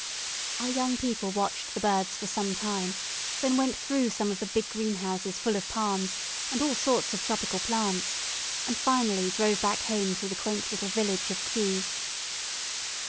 Our young people watched the birds for some time, then went through some of the big greenhouses full of palms, and all sorts of tropical plants, and finally drove back home through the quaint little village of Kew.